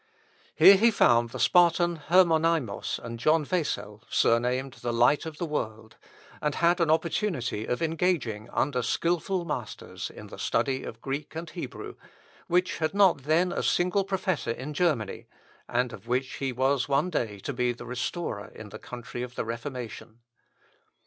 Here he found the Spartan Hermonymos and John Wessel, surnamed "The Light of the World," and had an opportunity of engaging under skilful masters in the study of Greek and Hebrew, which had not then a single professor in Germany, and of which he was one day to be the restorer in the country of the Reformation.